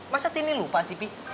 masa tini lupa sih pih